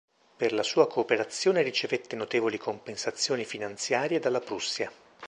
Per la sua cooperazione ricevette notevoli compensazioni finanziarie dalla Prussia.